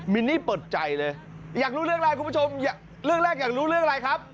นนี่เปิดใจเลยอยากรู้เรื่องอะไรคุณผู้ชมเรื่องแรกอยากรู้เรื่องอะไรครับ